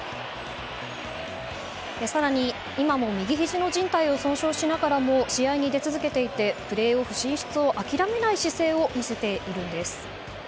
更に、今も右ひじのじん帯を損傷しながらも試合に出続けていてプレーオフ進出を諦めない姿勢を見せているんです。